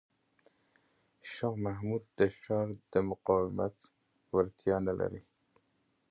شاه محمود د ښار د مقاومت وړتیا نه لري.